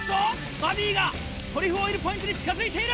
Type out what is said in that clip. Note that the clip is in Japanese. バディがトリュフオイルポイントに近づいている！